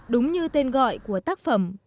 đúng như tên gọi của tác phẩm